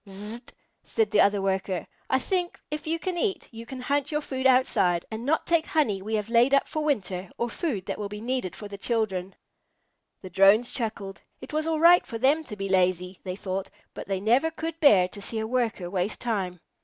"Zzzt!" said the other Worker. "I think if you can eat, you can hunt your food outside, and not take honey we have laid up for winter or food that will be needed for the children." The Drones chuckled. It was all right for them to be lazy, they thought, but they never could bear to see a Worker waste time.